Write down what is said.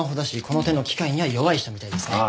この手の機械には弱い人みたいですね。